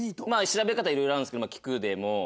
調べ方はいろいろあるんですけど聞くでも。